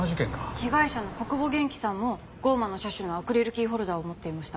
被害者の小久保元気さんも『降魔の射手』のアクリルキーホルダーを持っていました。